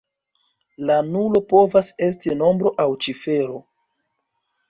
La nulo povas esti nombro aŭ cifero.